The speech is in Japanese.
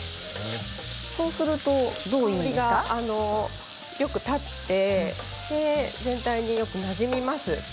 そうすると香りがよく立って全体によくなじみます。